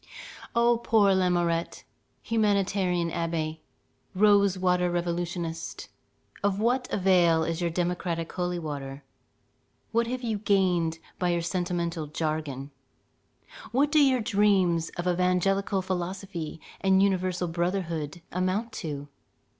O poor Lamourette! humanitarian abbé, rose water revolutionist, of what avail is your democratic holy water? What have you gained by your sentimental jargon? what do your dreams of evangelical philosophy and universal brotherhood amount to?